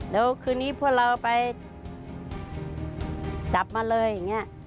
แล้วคืนนี้พวกเราไปจับมาเลยอย่างนี้